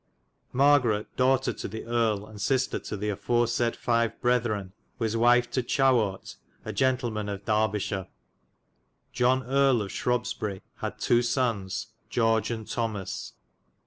Margaret dowghtar to the erle, and sistar to the afore sayde 5. brithern was wyfe to Chawort a gentleman of Darbyshire. John Erie of Shrobbsbyry had 2. sonnes, George and Thomas.